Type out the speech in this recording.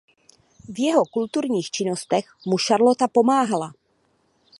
V jeho kulturních činnostech mu Šarlota pomáhala.